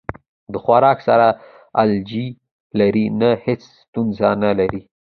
د خوراک سره الرجی لرئ؟ نه، هیڅ ستونزه نه لرم